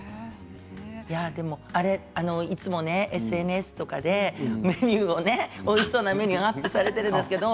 いつもＳＮＳとかでメニューを、おいしそうなメニューをアップさせているんですけど。